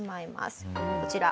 こちら。